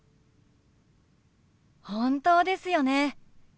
本当ですよね。